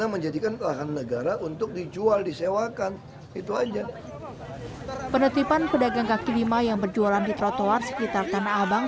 penertiban pedagang kaki lima yang berjualan di trotoar sekitar tanah abang